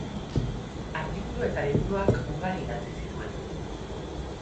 Artikulu eta liburuak ugari idatzi zituen.